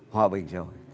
hòa bình rồi